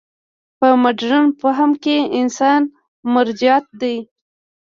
په مډرن فهم کې انسان مرجعیت دی.